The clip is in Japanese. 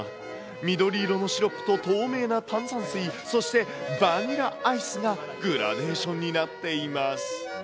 緑色のシロップと透明な炭酸水、そして、バニラアイスがグラデーションになっています。